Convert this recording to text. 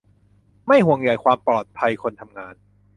ไม่ห่วงใยความปลอดภัยคนทำงาน